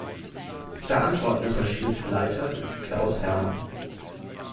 Verantwortlicher Schriftleiter ist Klaus Herrmann.